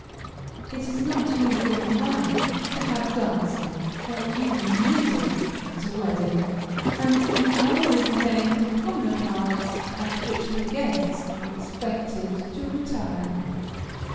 It is not usual now to have dancing, or even music, at a wedding, and the hour is named upon the cards, at which the guests are expected to retire.